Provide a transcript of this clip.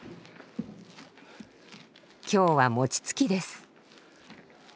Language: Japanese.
今日は餅つきです。